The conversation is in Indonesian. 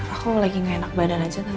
eh aku lagi gak enak badan aja kan